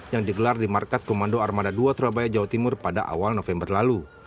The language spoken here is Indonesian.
yang digelar di markas komando armada dua surabaya jawa timur pada awal november lalu